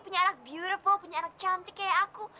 punya anak beurephole punya anak cantik kayak aku